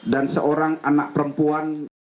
dan seorang anak perempuan